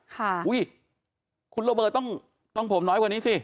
อุ้ยคุณโรเบิร์ตต้องผมน้อยกว่านี้สิ